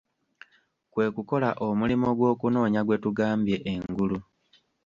Kwe kukola omulimo gw'okunoonya gwe tugambye engulu.